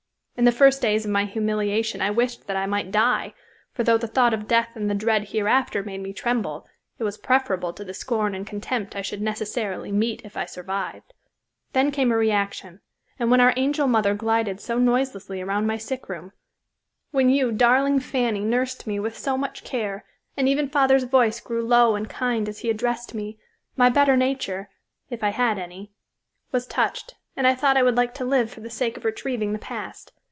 In the first days of my humiliation I wished that I might die, for though the thought of death and the dread hereafter made me tremble, it was preferable to the scorn and contempt I should necessarily meet if I survived. Then came a reaction, and when our angel mother glided so noiselessly around my sick room; when you, darling Fanny, nursed me with so much care, and even father's voice grew low and kind as he addressed me, my better nature, if I had any, was touched, and I thought I would like to live for the sake of retrieving the past.